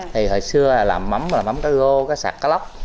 thì hồi xưa là làm mắm làm mắm cá gô cá sạc cá lóc